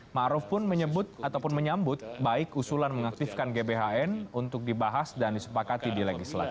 ⁇ maruf ⁇ pun menyebut ataupun menyambut baik usulan mengaktifkan gbhn untuk dibahas dan disepakati di legislatif